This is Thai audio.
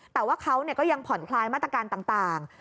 แต่ว่าเขาก็ยังผ่อนคลายมาตรการต่าง